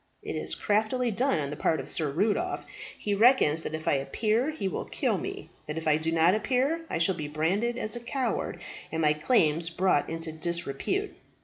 It is craftily done on the part of Sir Rudolph. He reckons that if I appear he will kill me; that if I do not appear, I shall be branded as a coward, and my claims brought into disrepute.